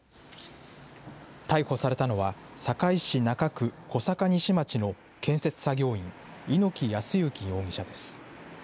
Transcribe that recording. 逮捕されたのは、堺市中区小阪西町の建設作業員、猪木康之容疑者です。